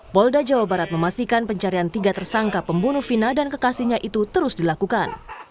polda jawa barat memastikan pencarian tiga tersangka pembunuh vina dan kekasihnya itu terus dilakukan